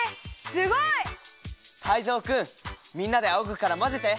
すごい！タイゾウくんみんなであおぐからまぜて！